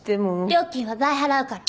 料金は倍払うから。